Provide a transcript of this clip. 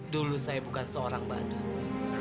dulu saya bukan seorang badut